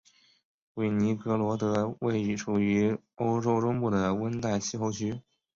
韦尼格罗德处于欧洲中部的温带气候区。